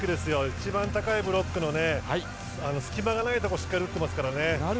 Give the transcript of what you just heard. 一番高いブロックの隙間がないところにしっかり打っていますからね。